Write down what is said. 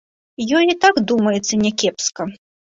Ёй і так, думаецца, някепска.